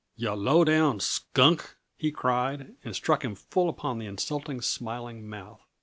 "Yuh low down skunk!" he cried, and struck him full upon the insulting, smiling mouth.